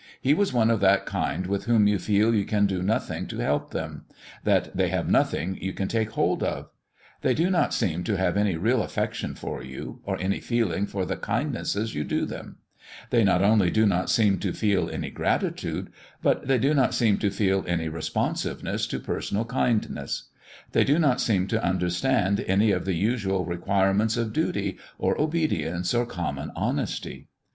He was one of that kind with whom you feel you can do nothing to help them that they have nothing you can take hold of. They do not seem to have any real affection for you, or any feeling for the kindnesses you do them; they not only do not seem to feel any gratitude, but they do not seem to feel any responsiveness to personal kindness; they do not seem to understand any of the usual requirements of duty or obedience or common honesty.